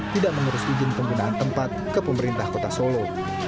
tidak mengurus izin penggunaan tempat ke pemerintah kota solo